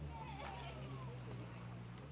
สวัสดีครับทุกคน